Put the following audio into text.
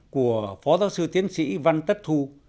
của phó giáo sư tiến sĩ văn tất thu